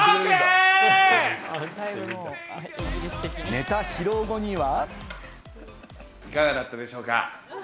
ネタ披露後には。